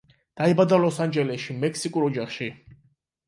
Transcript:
დაიბადა ლოს ანჯელესში, მექსიკურ ოჯახში.